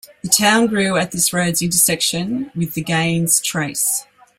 The town grew at this road's intersection with the Gaines Trace.